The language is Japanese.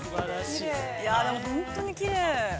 ◆いや、でも、本当にきれい。